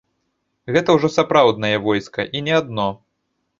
Гэта ўжо сапраўднае войска і не адно.